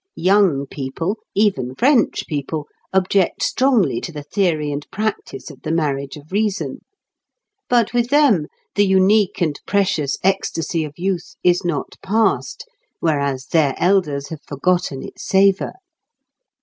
Young people, even French people, object strongly to the theory and practice of the marriage of reason. But with them the unique and precious ecstasy of youth is not past, whereas their elders have forgotten its savour.